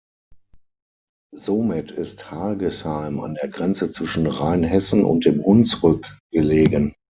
Somit ist Hargesheim an der Grenze zwischen Rheinhessen und dem Hunsrück gelegen.